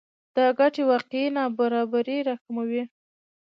دا ګټې واقعي نابرابری راکموي